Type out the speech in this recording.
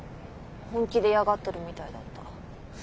本気で嫌がってるみたいだった。